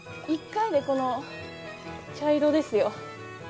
１回で、この茶色ですよ。